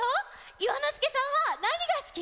いわのすけさんはなにがすき？